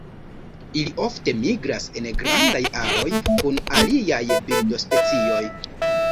Ili ofte migras en grandaj aroj kun aliaj birdospecioj.